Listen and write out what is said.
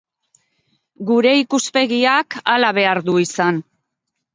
Gure ikuspegiak hala behar du izan.